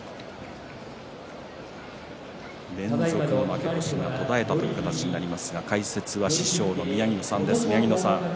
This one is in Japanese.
連続の負け越しが途絶えたという形になりますが師匠の宮城野さん